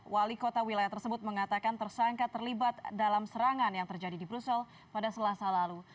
wali kota wilayah tersebut mengatakan tersangka terlibat dalam serangan yang terjadi di brussel pada selasa lalu